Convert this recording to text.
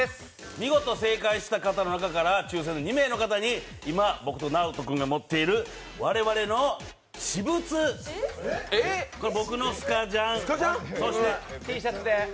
見事正解した方の中から抽選で２名の方に、今持っている我々の私物、これ僕のスカジャン、そしてＴシャツで。